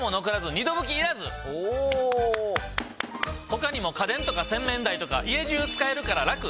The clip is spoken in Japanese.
他にも家電とか洗面台とか家じゅう使えるからラク！